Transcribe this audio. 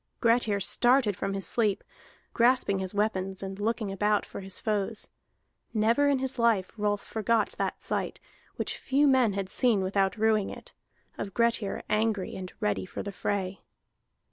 Grettir started from his sleep, grasping his weapons and looking about for his foes. Never in his life Rolf forgot that sight, which few men had seen without ruing it, of Grettir angry and ready for the fray.